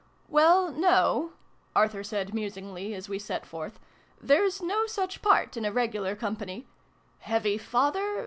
" Well, no>" Arthur said musingly, as we set forth :" there's no such part in a regular company. ' Heavy Father